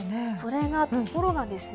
ところがですね